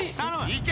いけ。